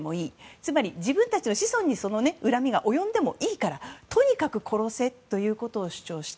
つまり、自分たちの子孫に恨みが及んでもいいからとにかく殺せということを主張した。